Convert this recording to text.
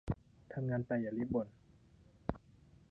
ทำงานไป อย่าบ่น